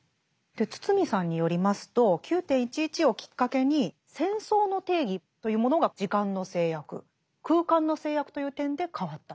堤さんによりますと９．１１をきっかけに戦争の定義というものが「時間の制約」「空間の制約」という点で変わったと。